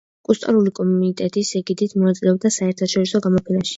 კუსტარული კომიტეტის ეგიდით მონაწილეობდა საერთაშორისო გამოფენებში.